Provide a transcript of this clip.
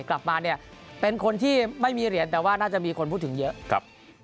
กลับมาเนี่ยเป็นคนที่ไม่มีเหรียญแต่ว่าน่าจะมีคนพูดถึงเยอะครับ